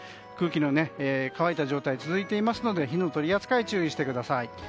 空気の乾いた状態続いていますので火の取り扱い、注意してください。